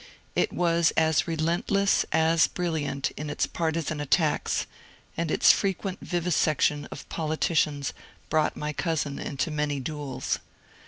It was as relentless as brilliant in its partisan attacks, and its frequent vivisection of politicians brought my cousin into many duels.